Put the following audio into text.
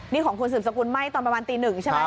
นี่ของคุณสืบสกุลไหม้ตอนประมาณตีหนึ่งใช่ไหม